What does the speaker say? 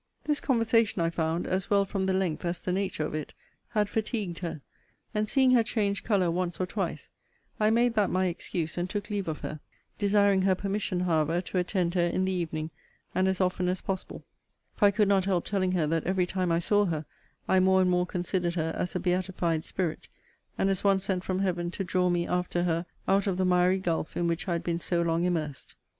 This conversation, I found, as well from the length as the nature of it, had fatigued her; and seeing her change colour once or twice, I made that my excuse, and took leave of her: desiring her permission, however, to attend her in the evening; and as often as possible; for I could not help telling her that, every time I saw her, I more and more considered her as a beatified spirit; and as one sent from Heaven to draw me after her out of the miry gulf in which I had been so long immersed.